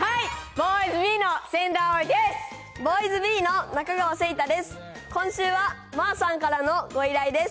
ボーイズビーの中川惺太です。